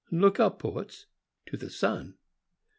Look up, poets, to the sun !